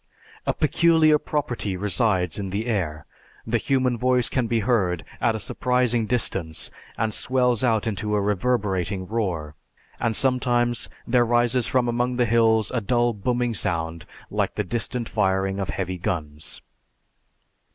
A peculiar property resides in the air, the human voice can be heard at a surprising distance and swells out into a reverberating roar, and sometimes there rises from among the hills a dull booming sound like the distant firing of heavy guns.